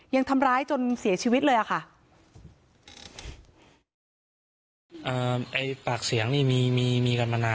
ยังทำร้ายจนเสียชีวิตเลยอะค่ะ